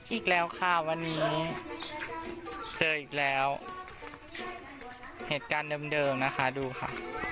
อีกแล้วค่ะวันนี้เจออีกแล้วเหตุการณ์เดิมนะคะดูค่ะ